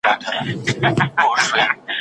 ږیره لرونکی سړی کولای سي ډوډۍ او مڼه راوړي.